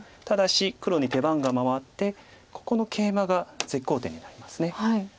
ただし黒に手番が回ってここのケイマが絶好点になります。